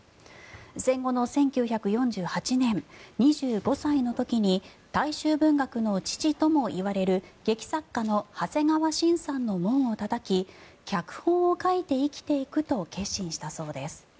戦後の１９４８年２５歳の時に大衆文学の父ともいわれる劇作家の長谷川伸さんの門をたたき脚本を書いて生きていくと決心したそうです。